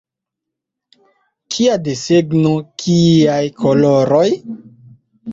Kia desegno, kiaj koloroj!